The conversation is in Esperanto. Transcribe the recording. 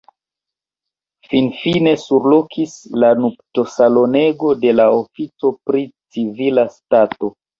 Finfine surlokis la nuptosalonego de la ofico pri civila stato.